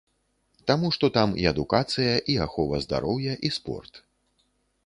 Таму што там і адукацыя, і ахова здароўя, і спорт.